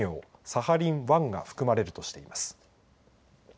サハリン１が含まれるとしています。